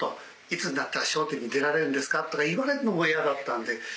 「いつになったら『笑点』に出られるんですか？」とか言われるのも嫌だったんで。